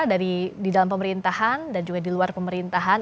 dari di dalam pemerintahan dan juga di luar pemerintahan